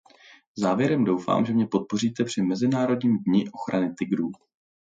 Závěrem doufám, že mě podpoříte při mezinárodním dni ochrany tygrů.